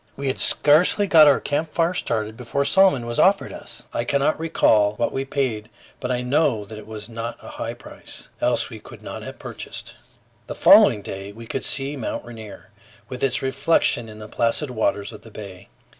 We had scarcely got our camp fire started before a salmon was offered us; I cannot recall what we paid, but I know it was not a high price, else we could not have purchased. The following day we could see Mt. Rainier, with its reflection in the placid waters of the bay.